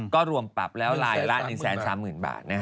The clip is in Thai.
ก็รวมปรับแล้วลายละ๑๓๐๐๐บาท